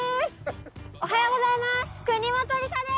おはようございます！